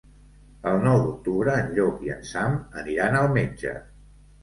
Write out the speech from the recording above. El nou d'octubre en Llop i en Sam aniran al metge.